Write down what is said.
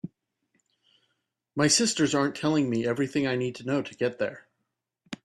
My sisters aren’t telling me everything I need to know to get there.